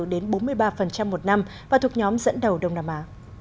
đến bốn mươi ba một năm và thuộc nhóm dẫn đầu đông nam á